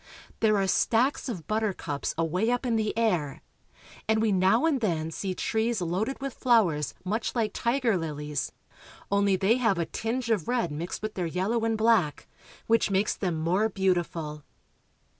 There are stacks of buttercups away up in the air, and we now and then see trees loaded with flowers much Hke tiger liHes, only they have a tinge of red mixed with their yellow and black, which makes them more beautiful.